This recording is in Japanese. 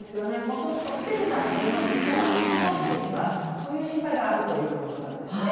そうすると防げたはずの事故がまた起きてしまう、そういう心配があるということなんですね。